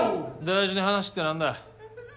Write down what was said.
大事な話ってなんだ？